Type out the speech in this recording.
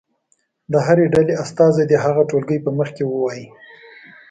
د هرې ډلې استازی دې هغه ټولګي په مخ کې ووایي.